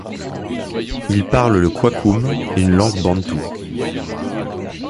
Ils parlent le kwakum, une langue bantoue.